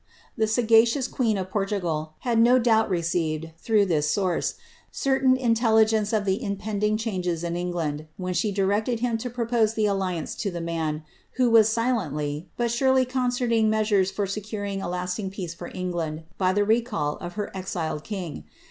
The sagacious of Portugal had no doubt received, through this source, certain ^nce of the impending changes in England, when she directed > propose the alliance to the man, who was silently, but surely ting measures for securing a lasting peace for England by the if her exiled king.